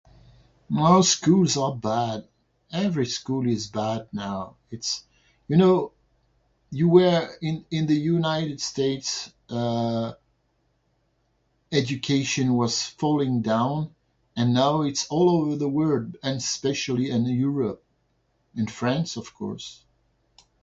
Most schools are bad. Every school is bad now. It's, you know, you were, in in the United States, uh, education was falling down, and now it's all over the world. And especially in Europe. In France, of course.